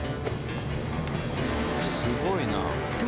すごいな！